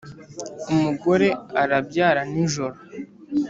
Umugore arabyara nijoro.